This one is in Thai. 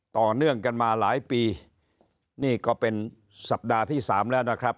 ต่อเนื่องกันมาหลายปีนี่ก็เป็นสัปดาห์ที่สามแล้วนะครับ